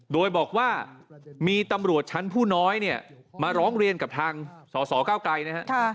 โดยบอกว่ามีตำรวจชั้นผู้น้อยเนี่ยมาร้องเรียนกับทางสสเก้าไกรนะฮะ